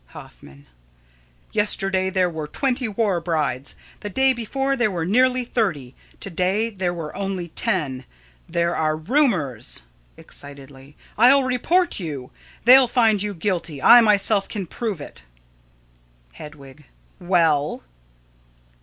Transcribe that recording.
Hoffman: Yesterday there were twenty war brides. The day before there were nearly thirty. To day there were only ten. There are rumors [Excitedly.] I'll report you. They'll find you guilty. I myself can prove it. Hedwig: Well?